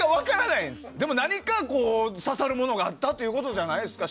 でも何か刺さるものがあったということじゃないですか。